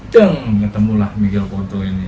teng ketemulah miguel cotto ini